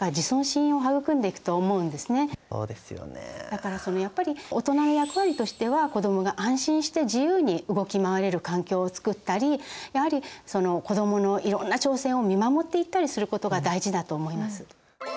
だからそのやっぱり大人の役割としては子どもが安心して自由に動き回れる環境を作ったりやはり子どものいろんな挑戦を見守っていったりすることが大事だと思います。